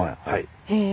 へえ。